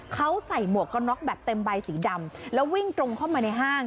เขาใส่หมวกกันน็อกแบบเต็มใบสีดำแล้ววิ่งตรงเข้ามาในห้าง